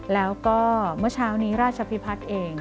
แล้วก็เมื่อเช้านี้ราชพิพัฒน์เอง